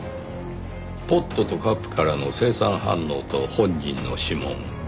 ポットとカップからの青酸反応と本人の指紋。